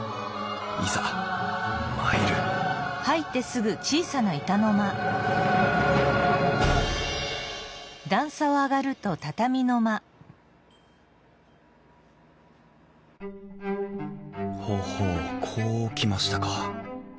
いざ参るほほうこう来ましたか。